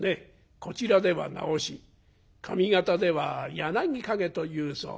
こちらでは『なおし』上方では『柳陰』と言うそうだ」。